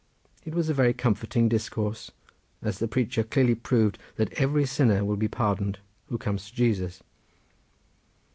It was a very comforting discourse, as the preacher clearly proved that every sinner will be pardoned who comes to Jesus.